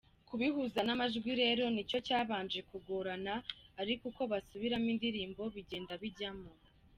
Kubihuza n’amajwi rero ni cyo cyabanje kugorana ariko uko basubiramo indirimbo bigenda bijyamo.